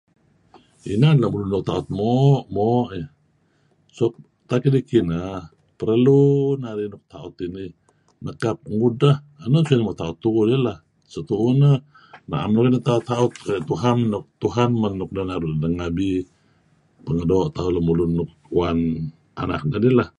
Inan lemulun nuk ta'ut moo'-moo' eh. Suk tak idih kinah perlu narih nuk ta'ut inih nekap ngudah, enun suk inan muh ta'ut tu'uh lah. Setu'uh neh na'em uih nuk ta'ut- ta'ut keh nuk Tuhan men nuk neh naru' idah ngabi peh ngeduoo' tauh lemulun nuk kuwan anak nedih lah,